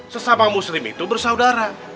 sesama muslim itu bersaudara